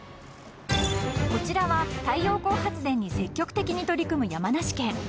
［こちらは太陽光発電に積極的に取り組む山梨県］